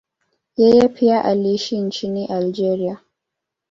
Yeye pia aliishi nchini Algeria.